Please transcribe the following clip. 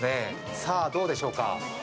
さあ、どうでしょうか？